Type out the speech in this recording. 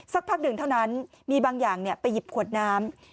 สักพักหนึ่งเท่านั้นมีบางอย่างไปหยิบขวดน้ำ